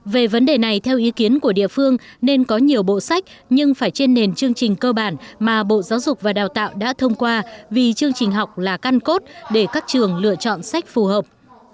về vấn đề này theo ý kiến của địa phương nên có nhiều bộ sách nhưng phải trên nền chương trình cơ bản mà bộ giáo dục và đào tạo đã thông qua vì chương trình học là căn cốt để các trường lựa chọn sách phù hợp